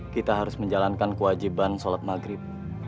kita harus menjalankan kewajiban sholat maghrib